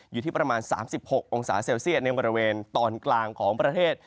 อยู่ที่ประมาณ๓๖องศาเซลเซียตในบริเวณตอนกลางของประเทศ